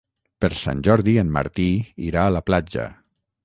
Per Sant Jordi en Martí irà a la platja.